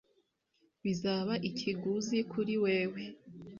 bizaba ikiguzi kuri wewe